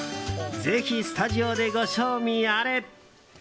ぜひスタジオでご賞味あれ。